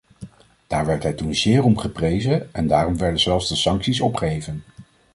Daar werd hij toen zeer om geprezen en daarom werden zelfs de sancties opgeheven.